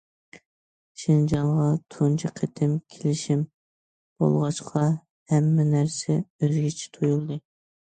شىنجاڭغا تۇنجى قېتىم كېلىشىم بولغاچقا، ھەممە نەرسە ئۆزگىچە تۇيۇلدى.